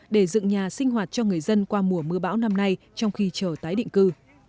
để dựng nhà sinh hoạt cho người dân qua mùa mưa bão năm nay trong khi chờ tái định cư